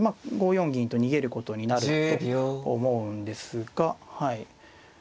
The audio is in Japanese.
四銀と逃げることになると思うんですが。